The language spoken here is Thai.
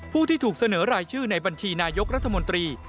ผู้ที่ถูกเสนอรายชื่อในบัญชีนายกรัฐมนตรี